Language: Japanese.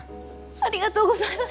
ありがとうございます。